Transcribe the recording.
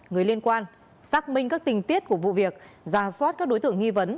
người liên quan xác minh các tình tiết của vụ việc giả soát các đối tượng nghi vấn